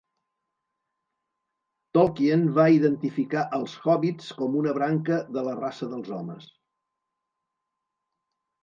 Tolkien va identificar als hòbbits com una branca de la raça dels Homes.